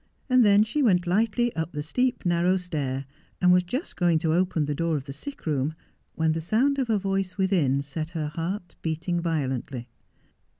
And then she went lightly up the steep, narrow 272 Just as I Am. stair, and was just going to open the door of the sick room when the sound of a voice within set her heart beating violently.